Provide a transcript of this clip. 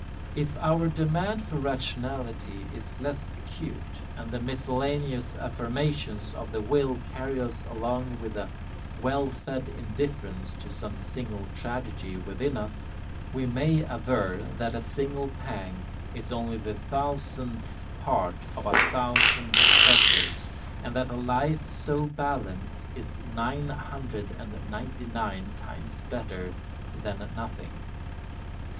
If our demand for rationality is less acute and the miscellaneous affirmations of the will carry us along with a well fed indifference to some single tragedy within us, we may aver that a single pang is only the thousandth part of a thousand pleasures and that a life so balanced is nine hundred and ninety nine times better than nothing.